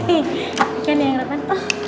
hih ikan yang roman